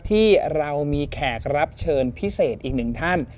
ที่เรามีแขกรับเชิญพิเศษอีกหนึ่งท่าน